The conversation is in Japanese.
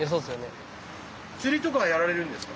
釣りとかはやられるんですか？